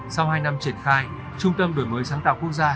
sau hai năm triển khai trung tâm đổi mới sáng tạo quốc gia